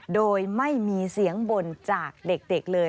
โดยไม่มีเสียงบ่นจากเด็กเลย